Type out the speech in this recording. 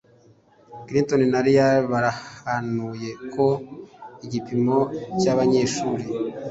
Clinton na Riley bahanuye ko igipimo cy'abanyeshuri